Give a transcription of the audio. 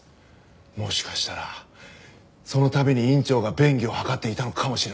もしかしたらその度に院長が便宜を図っていたのかもしれません。